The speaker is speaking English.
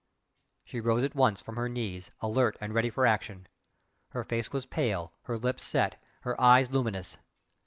She rose at once from her knees, alert and ready for action her face was pale, her lips set, her eyes luminous.